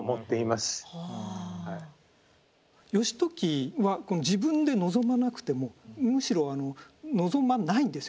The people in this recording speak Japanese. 義時は自分で望まなくてもむしろ望まないんですよね本人は。